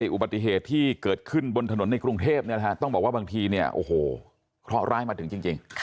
อุบัติเหตุที่เกิดขึ้นบนถนนในกรุงเทพฯต้องบอกว่าบางทีขอร้ายมาถึงจริง